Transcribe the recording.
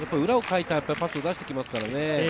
裏をかいたパスを出してきますからね。